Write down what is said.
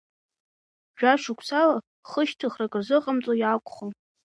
Жәа-шықәсала хышьҭыхрак рзыҟамҵо иаақәхон.